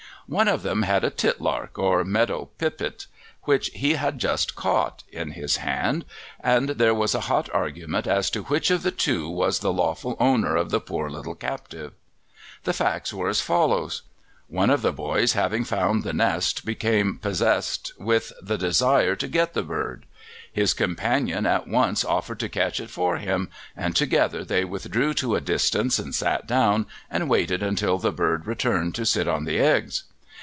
One of them had a titlark, or meadow pipit, which he had just caught, in his hand, and there was a hot argument as to which of the two was the lawful owner of the poor little captive. The facts were as follows. One of the boys having found the nest became possessed with the desire to get the bird. His companion at once offered to catch it for him, and together they withdrew to a distance and sat down and waited until the bird returned to sit on the eggs.